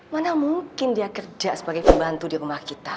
mana mungkin dia kerja sebagai pembantu di rumah kita